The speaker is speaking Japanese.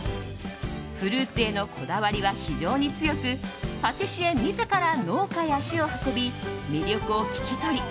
フルーツへのこだわりは非常に強くパティシエ自ら農家へ足を運び魅力を聞き取り